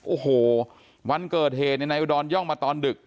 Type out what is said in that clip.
โอ้โหวันเกิดเหตุนายอุดรย่องมาตอนดึก